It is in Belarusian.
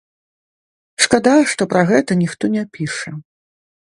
Шкада, што пра гэта ніхто не піша.